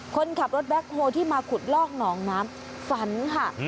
คนขับรถแบ็คโฮที่มาขุดลอกหนองน้ำฝันค่ะ